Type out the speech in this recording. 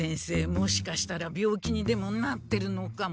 もしかしたら病気にでもなってるのかも。